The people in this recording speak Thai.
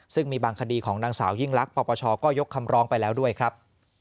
ซึ่งมีบางคดีของนางสาวยิ่งลักษณปปชก็ยกคำร้องไปแล้วด้วยครับ